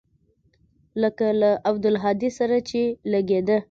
لکه له عبدالهادي سره چې لګېده.